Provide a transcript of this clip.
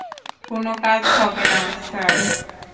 কোনো কাজ হবে না, স্যার।